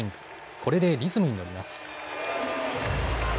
これでリズムに乗ります。